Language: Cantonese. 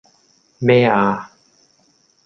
咩呀!